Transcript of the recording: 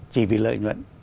chỉ vì lợi nhuận